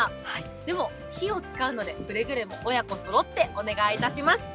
でも、火を使うのでくれぐれも親子そろってお願いいたします。